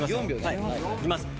はいいきます。